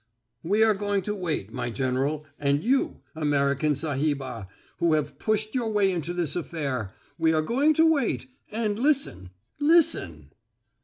"We are going to wait, my General and you, American Sahibah, who have pushed your way into this affair. We are going to wait and listen listen."